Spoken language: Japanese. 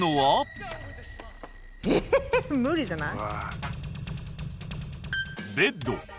無理じゃない？